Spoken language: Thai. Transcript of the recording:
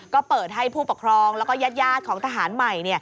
ก็เปิดให้ผู้ปกครองแล้วก็ญาติของทหารใหม่